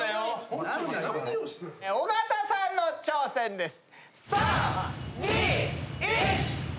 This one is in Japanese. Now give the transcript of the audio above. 尾形さんの挑戦です。